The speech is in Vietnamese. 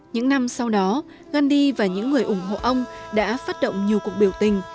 những năm sau đó gandhi và những người ủng hộ ông đã phát động nhiều cuộc biểu tình